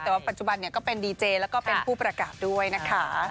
แต่ว่าปัจจุบันก็เป็นดีเจแล้วก็เป็นผู้ประกาศด้วยนะคะ